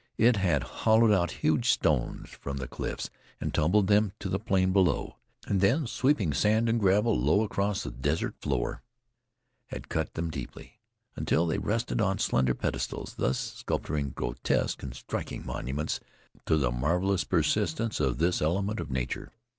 It had hollowed out huge stones from the cliffs, and tumbled them to the plain below; and then, sweeping sand and gravel low across the desert floor, had cut them deeply, until they rested on slender pedestals, thus sculptoring grotesque and striking monuments to the marvelous persistence of this element of nature.